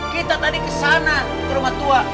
kita tadi ke sana ke rumah tua